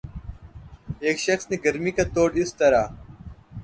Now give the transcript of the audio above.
ایک شخص نے گرمی کا توڑ اس طرح